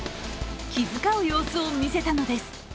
気遣う様子を見せたのです。